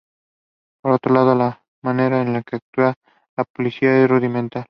Por otro lado, la manera en que actúa la policía es muy rudimentaria.